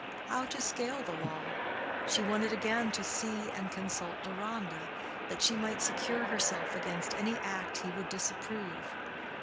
How to scale the wall? She wanted again to see and consult Deronda, that she might secure herself against any act he would disapprove.